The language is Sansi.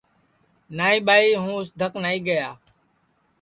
نائی ٻاپ ہوں اُس دھک نائی گئیا